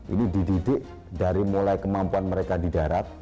ini dididik dari mulai kemampuan mereka di darat